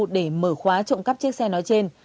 để mở khóa trộm cắp chiếc xe nói trên